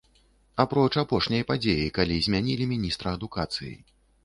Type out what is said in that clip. Апроч апошняй падзеі, калі замянілі міністра адукацыі.